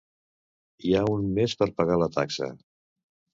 Hi ha un mes per pagar la taxa.